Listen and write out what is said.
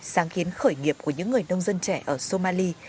sáng kiến khởi nghiệp của những người nông dân trẻ ở somali